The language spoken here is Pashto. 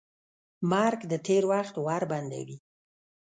مرګ د تېر وخت ور بندوي.